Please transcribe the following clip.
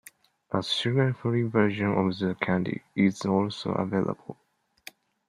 A sugar-free version of the candy is also available.